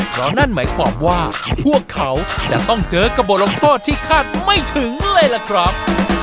เพราะนั่นหมายความว่าพวกเขาจะต้องเจอกับบทลงโทษที่คาดไม่ถึงเลยล่ะครับ